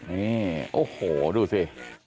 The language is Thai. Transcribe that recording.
นี่โอ้โหดูสิ